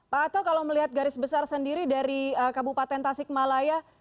pak ato kalau melihat garis besar sendiri dari kabupaten tasikmalaya